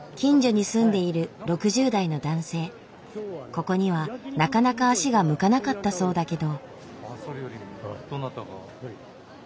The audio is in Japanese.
ここにはなかなか足が向かなかったそうだけど。